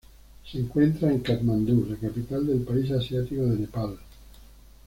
Se encuentra en Katmandú, la capital del país asiático de Nepal.